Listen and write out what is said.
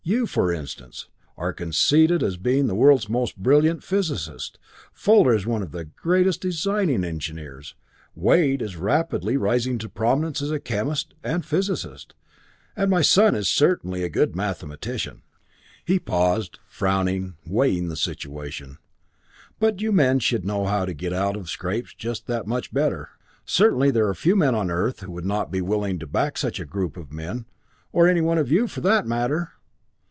You, for instance, are conceded as being the world's most brilliant physicist; Fuller is one of the greatest designing engineers; Wade is rapidly rising into prominence as a chemist and as a physicist; and my son is certainly a good mathematician." He paused, frowning, weighing the situation. "But you men should know how to get out of scrapes just that much better. Certainly there are few men on Earth who would not be willing to back such a group of men or any one of you, for that matter!